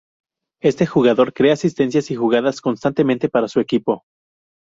Este jugador crea asistencias y jugadas constantemente para su equipo.